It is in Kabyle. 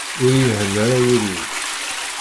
Ur iyi-ihenna ara wul-w.